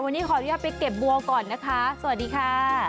วันนี้ขออนุญาตไปเก็บบัวก่อนนะคะสวัสดีค่ะ